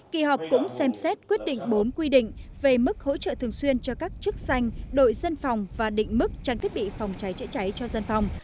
kỳ họp cũng xem xét quyết định bốn quy định về mức hỗ trợ thường xuyên cho các chức danh đội dân phòng và định mức trang thiết bị phòng cháy chữa cháy cho dân phòng